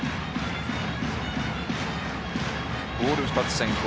ボール２つ先行。